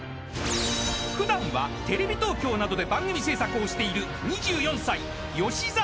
［普段はテレビ東京などで番組制作をしている２４歳澤享朋］